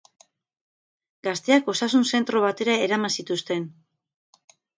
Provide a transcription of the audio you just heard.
Gazteak osasun zentro batera eraman zituzten.